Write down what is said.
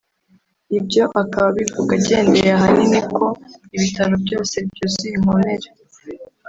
ibyo akaba abivuga agendeye ahanini ko ibitaro byose byuzuye inkomere